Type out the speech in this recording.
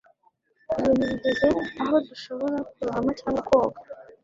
ibintu bigeze aho dushobora kurohama cyangwa koga